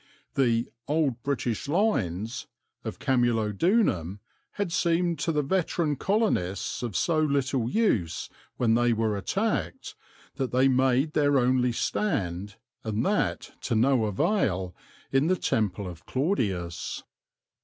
The "old British lines" of Camulodunum had seemed to the veteran colonists of so little use when they were attacked that they made their only stand, and that to no avail, in the Temple of Claudius.